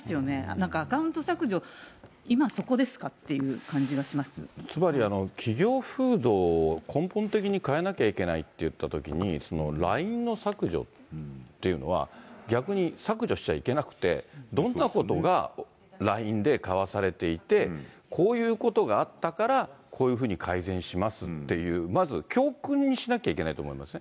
なんかアカウント削除、今そこでつまり、企業風土を根本的に変えなきゃいけないっていったときに、ＬＩＮＥの削除っていうのは、逆に削除しちゃいけなくて、どんなことがＬＩＮＥでかわされていて、こういうことがあったから、こういうふうに改善しますっていう、まず教訓にしなきゃいけないと思いません？